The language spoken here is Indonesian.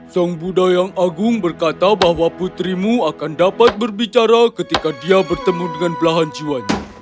sang buddha yang agung berkata bahwa putrimu akan dapat berbicara ketika dia bertemu dengan belahan jiwanya